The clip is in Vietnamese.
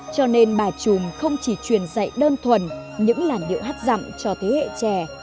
cho nên bà trùm không chỉ truyền dạy đơn thuần những làn điệu hát dặm cho thế hệ trẻ